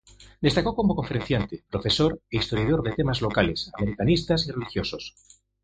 Destacó como conferenciante, profesor,e historiador de temas locales, americanistas y religiosos.